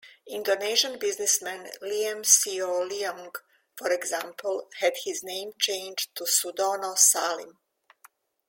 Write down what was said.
Indonesian businessman, Liem Sioe Liong, for example, had his name changed to Sudono Salim.